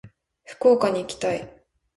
福岡に行きたい。